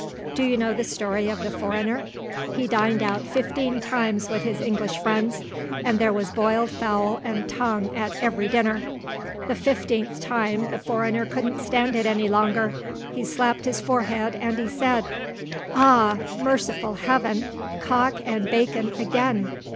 Do you know the story of the foreigner? He dined out fifteen times with his English friends. And there was boiled fowl and tongue at every dinner. The fifteenth time, the foreigner couldn't stand it any longer. He slapped his forehead, and he said, 'Ah, merciful Heaven, cock and bacon again!